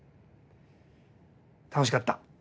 楽しかった。